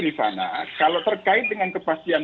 rifana kalau terkait dengan kepastian